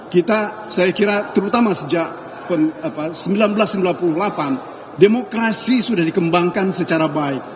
kita saya kira terutama sejak seribu sembilan ratus sembilan puluh delapan demokrasi sudah dikembangkan secara baik